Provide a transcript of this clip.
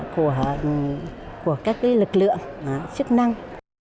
của các cái lực lượng chức năng